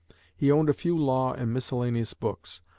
He owned a few law and miscellaneous books.